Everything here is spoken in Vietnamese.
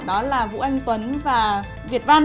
đó là vũ anh tuấn và việt văn